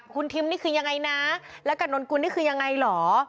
คุณทิมนี่คือยังไงนะแล้วกับนนกุลนี่คือยังไงเหรอ